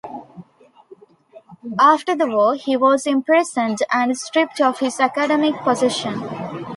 After the war, he was imprisoned and stripped of his academic position.